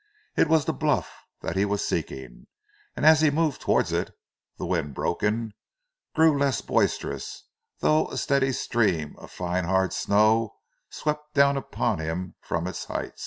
It was the bluff that he was seeking, and as he moved towards it, the wind broken, grew less boisterous, though a steady stream of fine hard snow swept down upon him from its height.